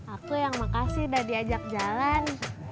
aku yang makasih udah diajak jalan